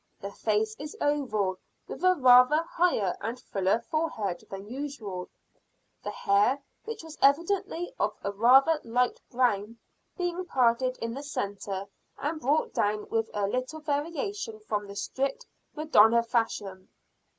The face is oval, with a rather higher and fuller forehead than usual; the hair, which was evidently of a rather light brown, being parted in the center, and brought down with a little variation from the strict Madonna fashion.